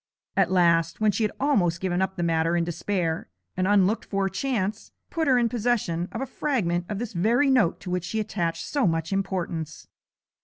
At last, when she had almost given up the matter in despair, an unlooked for chance put her in possession of a fragment of this very note to which she attached so much importance.